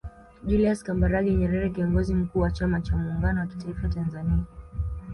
Julius Kambarage Nyerere Kiongozi Mkuu wa chama cha Muungano wa kitaifa Tanzania